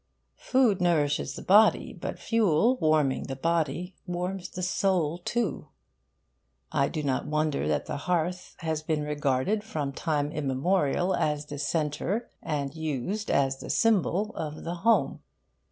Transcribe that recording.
Food nourishes the body; but fuel, warming the body, warms the soul too. I do not wonder that the hearth has been regarded from time immemorial as the centre, and used as the symbol, of the home.